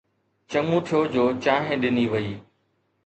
چڱو ٿيو جو چانهه ڏني وئي.